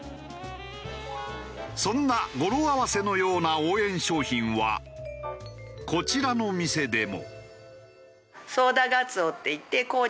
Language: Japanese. そんな語呂合わせのような応援商品はこちらの店でも。